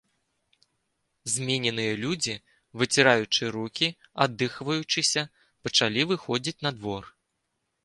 Змененыя людзі, выціраючы рукі, аддыхваючыся, пачалі выходзіць на двор.